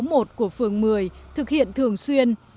và khu phố số hai phường một mươi thực hiện thường xuyên